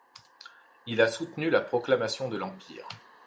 Il a soutenu la proclamation de l'Empire.